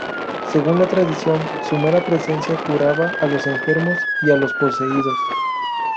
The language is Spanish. Según la tradición, su mera presencia curaba a los enfermos y a los poseídos.